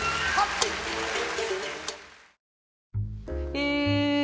え。